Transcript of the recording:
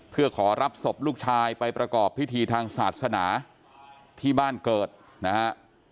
เพื่อขอรับศพลูกชายไปประกอบพิธีทางศาสนาที่บ้านเกิดนะฮะ